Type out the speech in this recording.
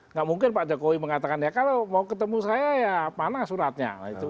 nggak mungkin pak jokowi mengatakan ya kalau mau ketemu saya ya mana suratnya